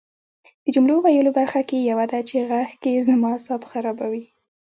د جملو د ویلو برخه کې یوه ده چې غږ کې زما اعصاب خرابوي